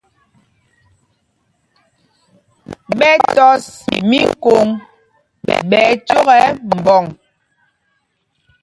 Ɓɛ tɔs míkôŋ ɓɛ ɛcók ɛ mbɔŋ.